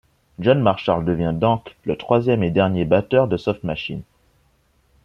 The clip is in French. John Marshall devient donc le troisième et dernier batteur de Soft Machine.